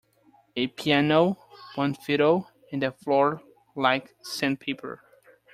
A piano, one fiddle, and a floor like sandpaper.